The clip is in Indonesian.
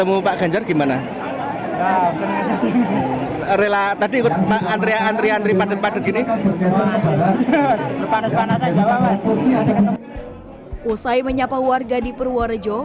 usai menyapa warga di purworejo